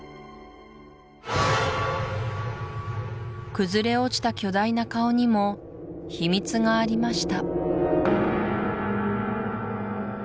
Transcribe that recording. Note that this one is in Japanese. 崩れ落ちた巨大な顔にも秘密がありました